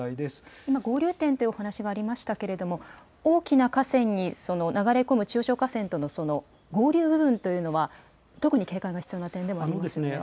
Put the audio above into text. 今、合流点というお話がありましたけれども、大きな河川に、その流れ込む中小河川とのその合流部分というのは、特に警戒が必要な点でもありますよね。